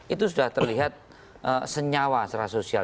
itu sudah terlihat senyawa secara sosial